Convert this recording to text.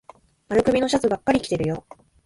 丸首のシャツばっかり着てるよ。